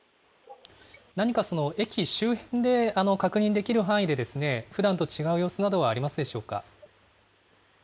何か駅周辺で確認できる範囲でふだんと違う様子などはありますでしょうか。